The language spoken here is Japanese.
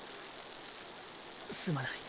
すまない。